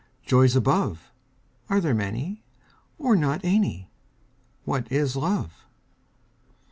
Joys above, Are there many, or not any? What is Love?